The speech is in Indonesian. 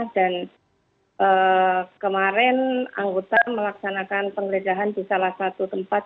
dan kemarin anggota melaksanakan pengledahan di salah satu tempat